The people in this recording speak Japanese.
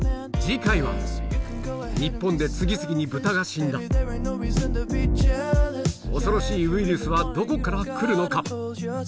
日本で次々に豚が死んだ恐ろしいウイルスはどこから来るのか⁉